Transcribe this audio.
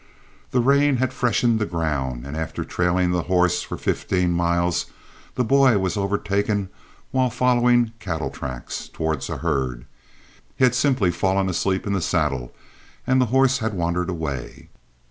The rain had freshened the ground, and after trailing the horse for fifteen miles the boy was overtaken while following cattle tracks towards the herd. He had simply fallen asleep in the saddle, and the horse had wandered away.